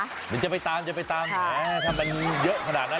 เดี๋ยวจะไปตามจะไปตามหาถ้ามันเยอะขนาดนั้น